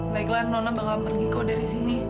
baiklah nona bakal pergi kau dari sini